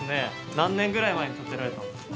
何年くらい前に建てられたんですか？